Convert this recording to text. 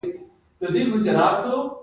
د زابل په اتغر کې د کرومایټ نښې شته.